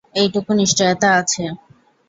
এইটুকু নিশ্চয়তা আছে।